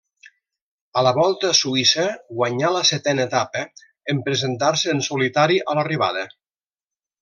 A la Volta a Suïssa guanyà la setena etapa, en presentar-se en solitari a l'arribada.